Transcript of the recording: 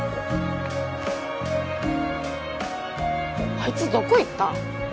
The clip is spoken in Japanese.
あいつどこ行った？